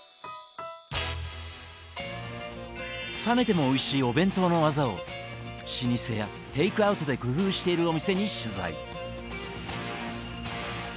冷めてもおいしいお弁当のワザを老舗やテイクアウトで工夫しているお店に取材。